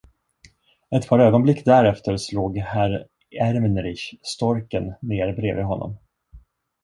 Ett par ögonblick därefter slog herr Ermenrich, storken, ner bredvid honom.